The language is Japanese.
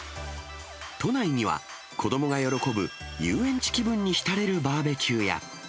都内には子どもが喜ぶ、遊園地気分に浸れるバーベキューや。